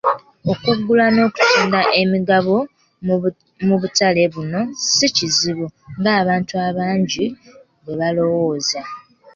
Okugula n'okutunda emigabo mu butale buno si kizibu ng'abantu bangi bwe balowooza.